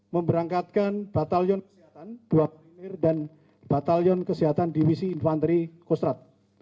memberangkatkan batalion kesehatan dua kuliner dan batalion kesehatan divisi infanteri kostrat